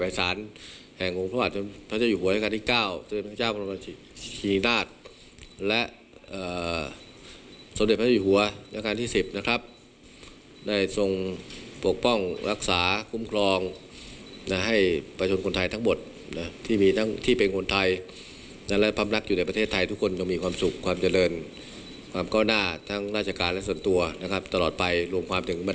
แผนสารแห่งองค์ประวัติพระเจ้าอยู่หัวในการที่๙โดยพระเจ้าคุณพระวัติชิงหญิงราชและสมเด็จพระเจ้าอยู่หัวในการที่๑๐ได้ทรงปกป้องรักษาคุ้มครองให้ประชุมคนไทยทั้งหมดที่เป็นคนไทยและพร้อมรักอยู่ในประเทศไทยทุกคนยังมีความสุขความเจริญความเก้าหน้าทั้งราชการและส่วนตัวตลอดไปรวมความถ